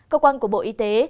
cơ quan của bộ y tế